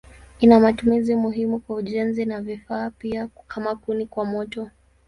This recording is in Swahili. Ina matumizi muhimu kwa ujenzi na vifaa pia kama kuni kwa moto.